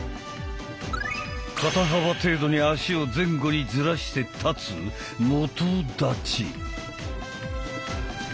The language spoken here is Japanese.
肩幅程度に足を前後にずらして立つ「基立ち」。